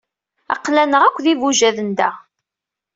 Aql-aneɣ akk d ibujaden da.